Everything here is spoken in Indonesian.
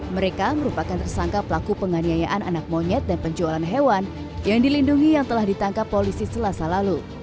mereka merupakan tersangka pelaku penganiayaan anak monyet dan penjualan hewan yang dilindungi yang telah ditangkap polisi selasa lalu